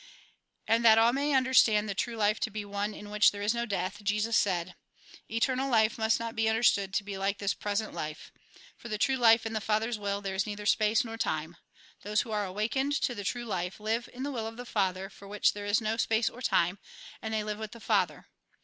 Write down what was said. And that all may understand the true life to be one in which there is no death, Jesus said :" Eternal life must not be understood to be like this present life. Por the true life in the Father's will, there is neither space nor time. Those who are awakened to the true life, live in the will of the Fatlier, for which there is no space nor time ; and they live with the Father.